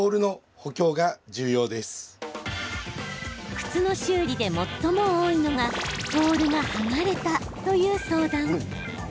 靴の修理で最も多いのがソールが剥がれたという相談。